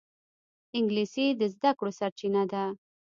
انګلیسي د زده کړو سرچینه ده